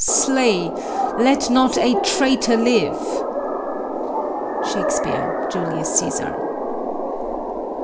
Slay! Let not a traitor live! SHAKESPEARE, Julius Cæsar.